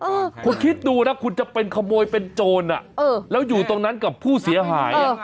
เออคุณคิดดูนะคุณจะเป็นขโมยเป็นโจรอ่ะเออแล้วอยู่ตรงนั้นกับผู้เสียหายอ่ะ